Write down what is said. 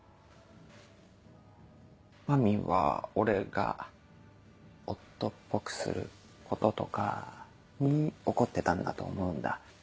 まみんは俺が夫っぽくすることとかに怒ってたんだと思うんだ。